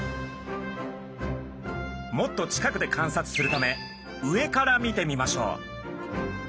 もっと近くで観察するため上から見てみましょう。